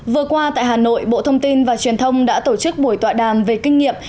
vừa qua tại hà nội bộ thông tin và truyền thông đã tổ chức buổi tọa đàm về kinh nghiệm